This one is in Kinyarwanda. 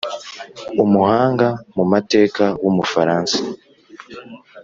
umuhanga mu mateka w'umufaransa,